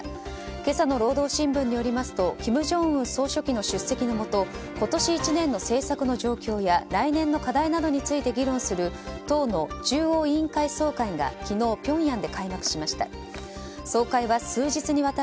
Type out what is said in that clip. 今朝の労働新聞によりますと金正恩総書記の出席のもと今年１年の政策の状況や来年の課題などについて議論する党の中央委員会総会が昨日、ピョンヤンで開幕しました。